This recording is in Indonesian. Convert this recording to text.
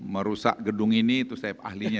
merusak gedung ini itu saya ahlinya